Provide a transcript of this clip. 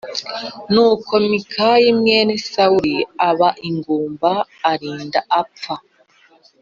Nuko Mikali mwene Sawuli aba ingumba, arinda apfa.